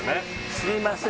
すいません